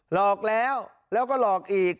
หลอกแล้วแล้วก็หลอกอีก